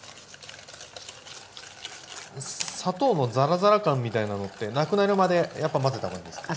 砂糖のざらざら感みたいなのってなくなるまでやっぱ混ぜた方がいいんですか？